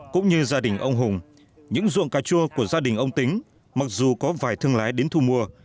cũng như gia đình ông hùng những ruộng cà chua của gia đình ông tính mặc dù có vài thương lái đến thu mua